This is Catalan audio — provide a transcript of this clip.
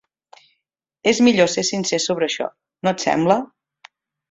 És millor ser sincer sobre això, no et sembla?